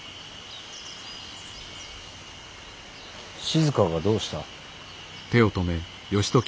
静がどうした。